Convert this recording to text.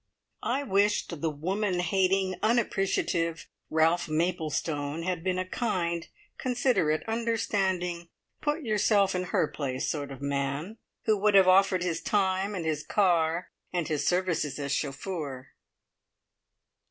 I wished the woman hating, unappreciative Ralph Maplestone, had been a kind, considerate, understanding, put your self in her place sort of man, who would have offered his time, and his car, and his services as chauffeur.